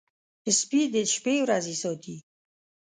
سپي د شپې ورځي ساتي.